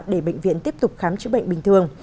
để bệnh viện tiếp tục khám chữa bệnh bình thường